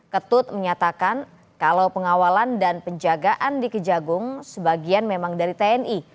ketut menyatakan kalau pengawalan dan penjagaan di kejagung sebagian memang dari tni